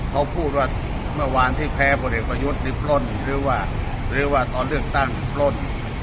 เขาพูดว่าเมื่อวานที่แพ้ผลเอกประยุทธ์นี่ปล้นหรือว่าหรือว่าตอนเลือกตั้งปล้น